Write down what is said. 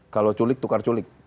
kalau culik tukar culik